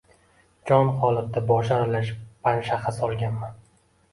Jon holatda boshi aralash panshaha solganman.